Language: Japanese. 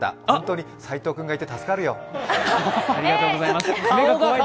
ありがとうございます。